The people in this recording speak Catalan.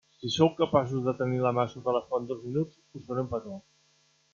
Si sou capaços de tenir la mà sota la font dos minuts, us faré un petó.